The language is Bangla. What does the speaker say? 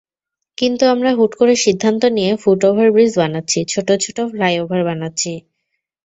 কিন্তু আমরা হুট করে সিদ্ধান্ত নিয়ে ফুটওভারব্রিজ বানাচ্ছি, ছোট ছোট ফ্লাইওভার বানাচ্ছি।